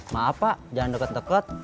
maaf pak jangan deket deket